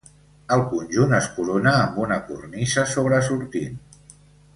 El conjunt es corona amb una cornisa sobresortint.